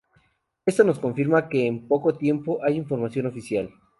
Esto nos confirma que en poco tiempo hay información oficial.